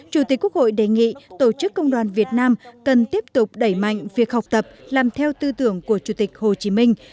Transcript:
chủ tịch quốc hội đề nghị tổ chức công đoàn việt nam cần tiếp tục đẩy mạnh việc học tập làm theo tư tưởng của chủ tịch hồ chí minh